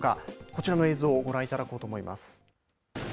こちらの映像をご覧いただこうと思います。